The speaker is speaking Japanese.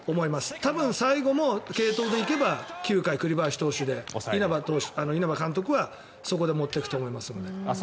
多分最後も継投で行けば９回、栗林投手で稲葉監督はそこで持ってくと思いますので。